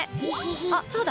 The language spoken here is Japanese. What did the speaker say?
あ、そうだ。